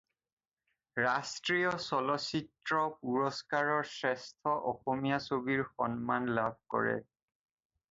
ৰাষ্ট্ৰীয় চলচ্চিত্ৰ পুৰস্কাৰৰ শ্ৰেষ্ঠ অসমীয়া ছবিৰ সন্মান লাভ কৰে।